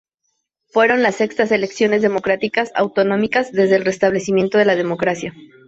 Fueron las sextas elecciones democráticas autonómicas desde el restablecimiento de la democracia.